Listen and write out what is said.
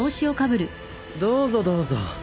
どうぞどうぞ。